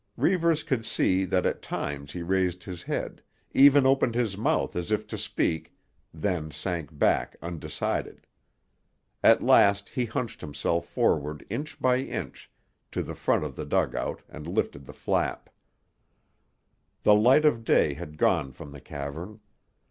Reivers could see that at times he raised his head, even opened his mouth as if to speak, then sank back undecided. At last he hunched himself forward inch by inch to the front of the dugout and lifted the flap. The light of day had gone from the cavern.